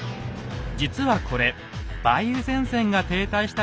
実はこれ梅雨前線が停滞した時のものでした。